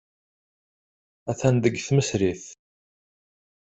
Attan deg tmesrit.